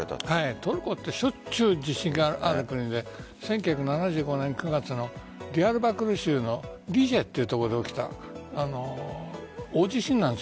トルコってしょっちゅう地震がある国で１９７５年９月のディヤルバクル州のリジェというところで起きた大地震なんです。